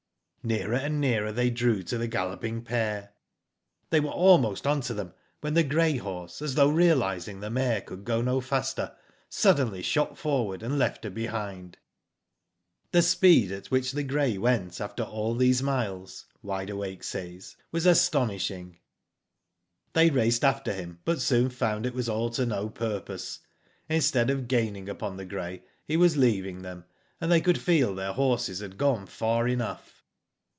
Nearer and nearer they drew to the galloping pair. "They were almost on to them, when the grey horse, as though realising the mare could go no faster, suddenly shot forward, and left her behind. " The speed at which the grey went after all these miles, Wide Awake says, was astonishing. They raced after him, but soon found it was all to no purpose. Instead of gaining upon the grey, he was leaving them, and they could feel their horses had gone far enough.